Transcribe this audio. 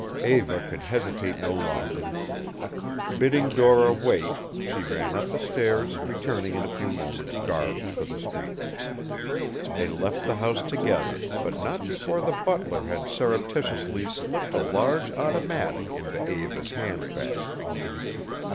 Eva could hesitate no longer. Bidding Dora wait, she ran up the stairs, returning in a few moments garbed for the street. They left the house together, but not before the butler had surreptitiously slipped a large automatic into Eva's hand bag.